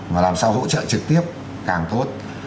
mà làm sao hỗ trợ trực tiếp càng tốt